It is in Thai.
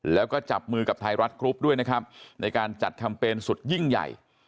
แล้วก็จับมือกับไทยรัฐกรุ๊ปด้วยนะครับในการจัดแคมเปญสุดยิ่งใหญ่